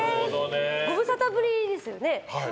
ごぶさたぶりですよね。